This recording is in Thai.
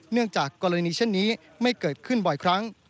จากกรณีเช่นนี้ไม่เกิดขึ้นบ่อยครั้ง